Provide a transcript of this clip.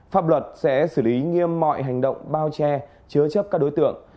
pháp luật sẽ xử lý nghiêm mọi hành động bao che chứa chấp các đối tượng